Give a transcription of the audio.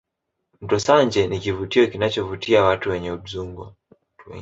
mto sanje ni kivutio kinachovutia watu wengi udzungwa